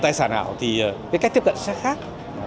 tài sản ảo thì cái cách tiếp cận sẽ khác